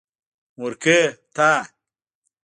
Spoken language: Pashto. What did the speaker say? مورکۍ تا.